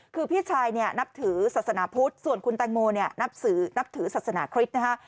คือพี่ชายเนี่ยนับถือศาสนาพุทธส่วนคุณแตงโมเนี่ยนับถือศาสนาคริสต์นะฮะ